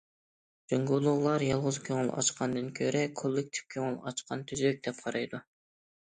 جۇڭگولۇقلار‹‹ يالغۇز كۆڭۈل ئاچقاندىن كۆرە، كوللېكتىپ كۆڭۈل ئاچقان تۈزۈك›› دەپ قارايدۇ.